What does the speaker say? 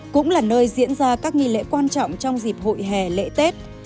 cũng là nơi diễn ra các nghi lễ quan trọng trong dịp hội hè lễ tết